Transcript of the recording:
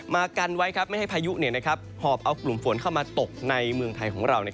กันไว้ไม่ให้พายุหอบเอากลุ่มฝนเข้ามาตกในเมืองไทยของเรา